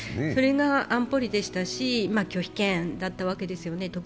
それが安保理でしたし拒否権だったわけですね。